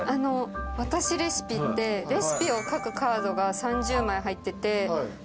わたしレシピってレシピを書くカードが３０枚入ってて私